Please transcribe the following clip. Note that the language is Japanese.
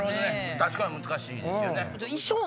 確かに難しいですよね。